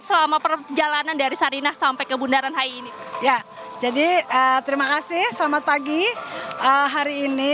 selama perjalanan dari sarinah sampai ke bundaran hi ini ya jadi terima kasih selamat pagi hari ini